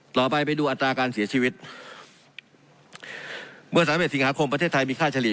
ไปดูอัตราการเสียชีวิตเมื่อสามเอ็ดสิงหาคมประเทศไทยมีค่าเฉลี่ย